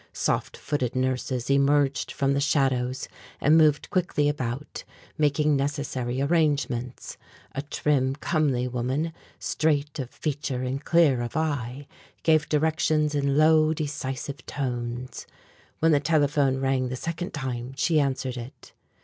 Soft footed nurses emerged from the shadows and moved quickly about, making necessary arrangements. A trim, comely woman, straight of feature and clear of eye, gave directions in low decisive tones. When the telephone rang the second time she answered it.